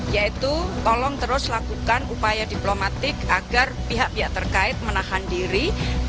yaitu tolong terus lakukan upaya diplomatik agar pihak pihak terkait menahan diri